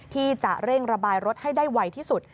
ที่จะเร่งระบายรถให้ได้ไวที่สุด